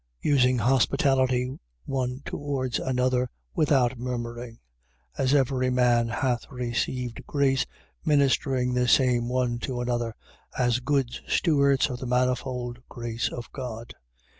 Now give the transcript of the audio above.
4:9. Using hospitality one towards another, without murmuring, 4:10. As every man hath received grace, ministering the same one to another: as good stewards of the manifold grace of God.